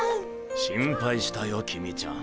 心配したよ公ちゃん。